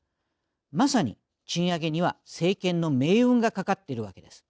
まさに、賃上げには政権の命運が懸かっているわけです。